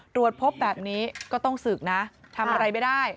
ตรวจพบแบบนี้ก็ต้องศึกนะทำอะไรไม่ได้